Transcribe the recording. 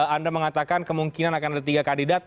anda mengatakan kemungkinan akan ada tiga kandidat